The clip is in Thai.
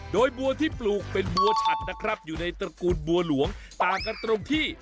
โดยบัวที่ปลูกเป็นบัวฉัดนะครับอยู่ในตระกูลบัวหลวงต่างกันตรงที่